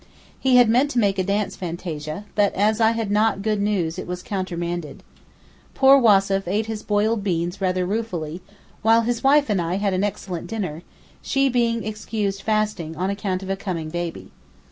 He had meant to make a dance fantasia, but as I had not good news it was countermanded. Poor Wassef ate his boiled beans rather ruefully, while his wife and I had an excellent dinner, she being excused fasting on account of a coming baby.